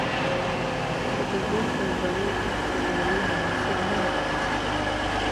خو د زوی پر بري اوښکې تويول مناسب نه وو.